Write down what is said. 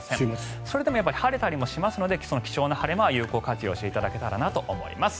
それでもやっぱり晴れたりしますので貴重な晴れ間は有効活用していただけたらなと思います。